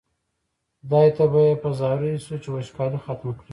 خدای ته به یې په زاریو شو چې وچکالي ختمه کړي.